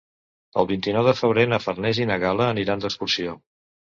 El vint-i-nou de febrer na Farners i na Gal·la aniran d'excursió.